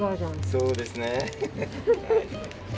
そうですね。